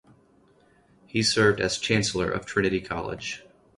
He served as chancellor of Trinity College.